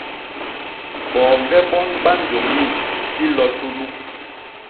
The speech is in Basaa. Boñge bon ba njô mim dilo tunu.